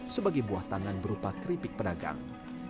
sebagai buah tangan berupa keripik pedagang